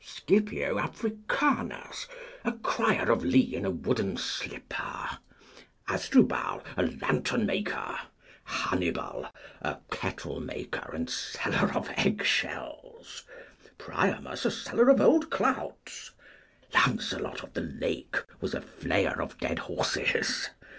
Scipio Africanus, a crier of lee in a wooden slipper. Asdrubal, a lantern maker. Hannibal, a kettlemaker and seller of eggshells. Priamus, a seller of old clouts. Lancelot of the Lake was a flayer of dead horses.